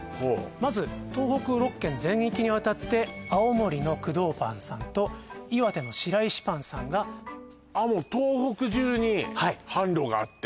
まず東北６県全域にわたって青森の工藤パンさんと岩手のシライシパンさんがもう東北じゅうに販路があって？